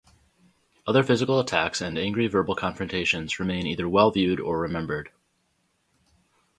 Other physical attacks and angry verbal confrontations remain either well viewed or remembered.